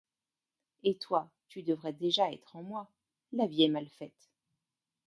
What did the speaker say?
Et toi, tu devrais déjà être en moi : la vie est mal faite.